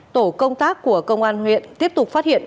tổ công tác của công an huyện tiếp tục phát hiện